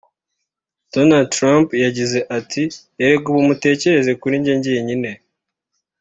Donald Trump yagize ati "Erega ubu mutekereze kuri jye jyenyine